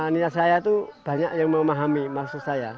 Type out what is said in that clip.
niat saya itu banyak yang memahami maksud saya